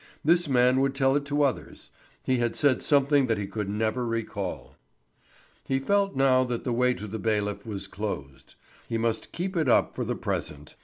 This man would tell it to others. He had said something that he could never recall. He felt now that the way to the bailiff was closed. He must keep it up for the present.